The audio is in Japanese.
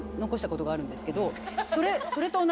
ことがあるんですけど。